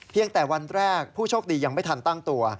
แต่วันแรกผู้โชคดียังไม่ทันตั้งตัว